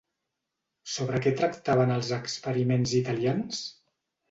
Sobre què tractaven els experiments italians?